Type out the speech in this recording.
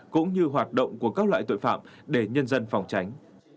cũng như hoạt động của các loại tội phạm để nhân dân phòng tránh